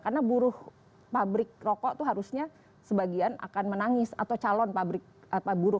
karena buruh pabrik rokok itu harusnya sebagian akan menangis atau calon pabrik buruh